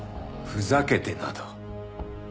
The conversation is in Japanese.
ふざけてなど。